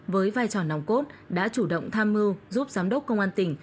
với vai trò nòng cốt đã chủ động tham mưu giúp giám đốc công an tỉnh